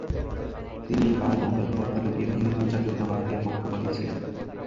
তিনি বাল গঙ্গাধর তিলকের হিন্দু জাতীয়তাবাদ এর পক্ষপাতি ছিলেন না।